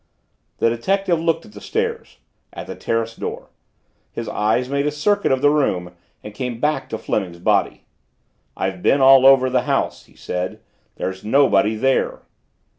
The detective looked at the stairs at the terrace door. His eyes made a circuit of the room and came back to Fleming's body. "I've been all over the house," he said. "There's nobody there."